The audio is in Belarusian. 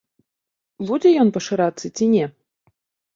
Будзе ён пашырацца ці не?